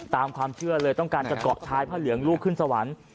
ตามความเชื่อเลยต้องการจะเกาะชายพระเหลืองลูกขึ้นสวรรค์